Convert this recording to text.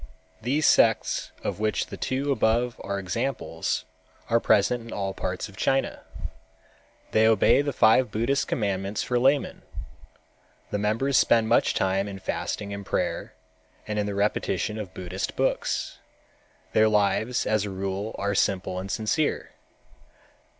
These sects of which the two above are examples are present in all parts of China. They obey the five Buddhist commandments for laymen. The members spend much time in fasting and prayer, and in the repetition of Buddhist books. Their lives as a rule are simple and sincere.